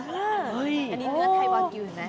อันนี้เนื้อไทยบาลกิวเห็นมั้ย